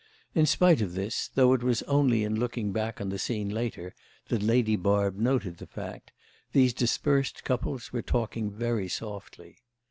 In spite of this, though it was only in looking back on the scene later that Lady Barb noted the fact, these dispersed couples were talking very softly.